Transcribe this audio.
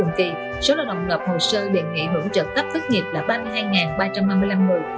trong quý ii năm hai nghìn hai mươi ba số lao động lập hồ sơ đề nghị hưởng trợ cấp thất nghiệp là ba mươi hai ba trăm ba mươi năm người